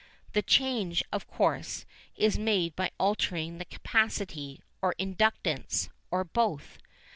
The change, of course, is made by altering the capacity, or inductance, or both.